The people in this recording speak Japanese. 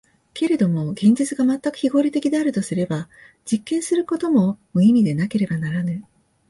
けれども現実が全く非合理的であるとすれば、実験することも無意味でなければならぬ。